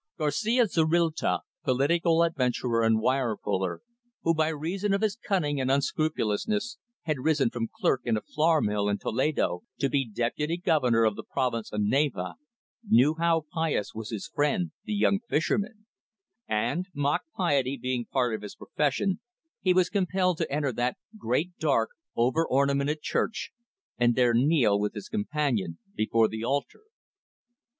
Garcia Zorrilta, political adventurer and wire puller, who by reason of his cunning and unscrupulousness had risen from clerk in a flour mill in Toledo to be Deputy Governor of the Province of Navarre, knew how pious was his friend the young fisherman, and, mock piety being part of his profession, he was compelled to enter that great dark, over ornamented church, and there kneel with his companion before the altar.